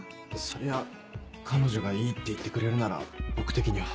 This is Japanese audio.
そりゃ彼女がいいって言ってくれるなら僕的には。